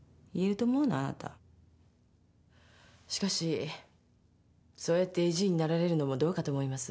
しかしそうやって意地になられるのもどうかと思います。